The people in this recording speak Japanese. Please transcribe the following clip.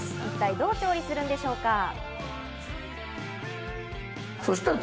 一体どう調理するんでしょうか？